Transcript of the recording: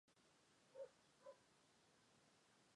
代表人物有牟兴甲和方万春。